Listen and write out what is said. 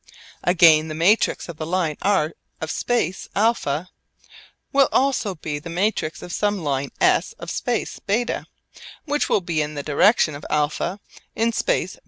Again the matrix of the line r of space α will also be the matrix of some line s of space β which will be in the direction of α in space β.